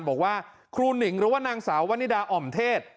บอกว่าครูหนิงหรือว่านางสาววันนิดาอ่อมเทศ